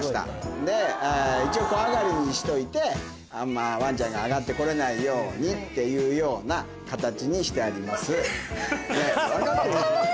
で一応小上がりにしておいてわんちゃんが上がって来れないようにっていうような形にしてあります。